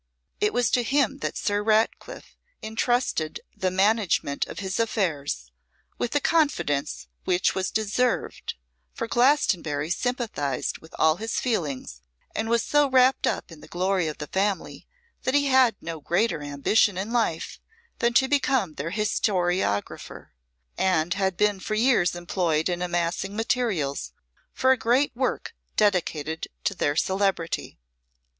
It was to him that Sir Ratcliffe intrusted the management of his affairs, with a confidence which was deserved; for Glastonbury sympathised with all his feelings, and was so wrapped up in the glory of the family, that he had no greater ambition in life than to become their historiographer, and had been for years employed in amassing materials for a great work dedicated to their celebrity.